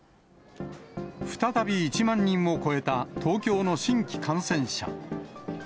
再び１万人を超えた、東京の新規感染者。